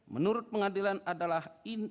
menurut pengadilan adalah